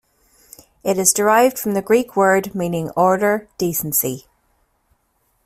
It is derived from the Greek word meaning order, decency.